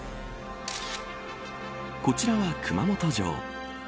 こちらは熊本城。